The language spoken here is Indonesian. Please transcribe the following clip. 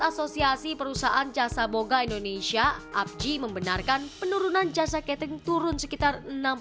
asosiasi perusahaan jasa boga indonesia apji membenarkan penurunan jasa catering turun sekitar